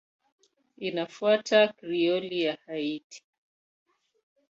Inafuata Krioli ya Haiti.